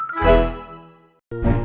mak namanya udah apa